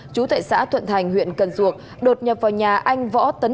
chú tại xã thuận thành huyện cần duộc đột nhập vào nhà anh võ tấn